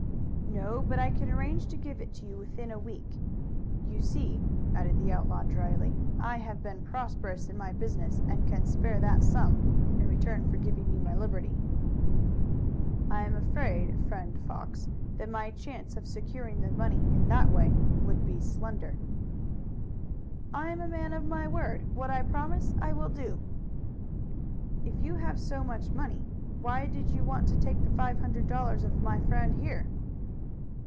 "No, but I can arrange to give it to you within a week. You see," added the outlaw dryly, "I have been prosperous in my business and can spare that sum in return for giving me my liberty." "I am afraid, friend Fox, that my chance of securing the money in that way would be slender." "I am a man of my word. What I promise, I will do." "If you have so much money, why did you want to take the five hundred dollars of my friend here?"